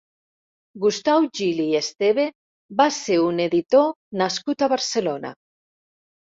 Gustau Gili i Esteve va ser un editor nascut a Barcelona.